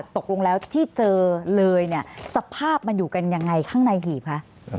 ตกลงแล้วที่เจอเลยเนี่ยสภาพมันอยู่กันยังไงข้างในหีบคะ